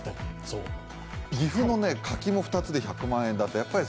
岐阜の柿も２つで１００万円。